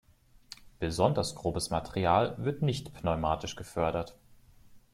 Besonders grobes Material wird nicht pneumatisch gefördert.